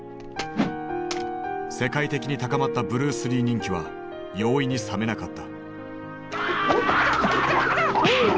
世界的に高まったブルース・リー人気は容易に冷めなかった。